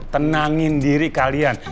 tenangin diri kalian